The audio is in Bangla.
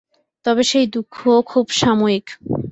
তবে সেই দুঃখও খুব সাময়িক।